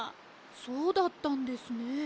そうだったんですね。